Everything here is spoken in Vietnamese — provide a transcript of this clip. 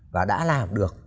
và đã làm được